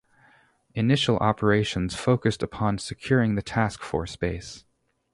Initial operations focused upon securing the task force base.